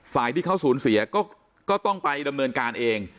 ฝ่ายที่เขาสูญเสียก็ต้องไปดำเนินการเอง